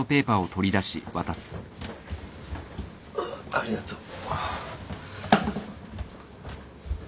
ありがとう。